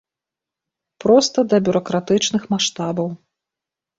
Проста да бюракратычных маштабаў.